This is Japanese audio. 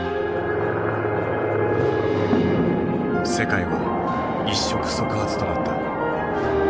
世界は一触即発となった。